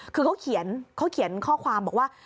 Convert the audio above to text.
คือเขาเขียนข้อความบอกว่า